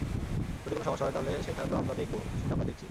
যদি কোনো সমস্যা হয়, তাহলে সেটা তো আমরা দেখব, সেটা আমরা দেখছি।